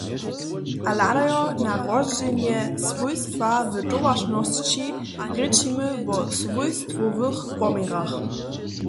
A hladajo na rozdźělenje swójstwa w towaršnosći, rěčimy wo swójstwowych poměrach.